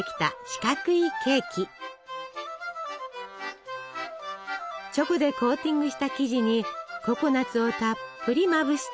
チョコでコーティングした生地にココナツをたっぷりまぶして。